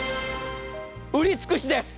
売り尽くしです。